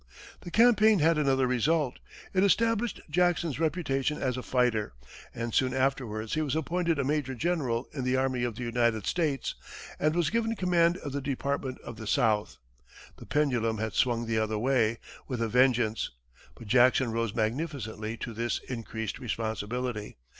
The campaign had another result it established Jackson's reputation as a fighter, and soon afterwards he was appointed a major general in the army of the United States, and was given command of the Department of the South. The pendulum had swung the other way, with a vengeance! But Jackson rose magnificently to this increased responsibility.